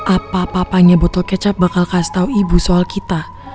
apa apa apanya botol kecap bakal kasih tau ibu soal kita